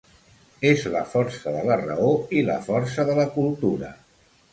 És la força de la raó i la força de la cultura.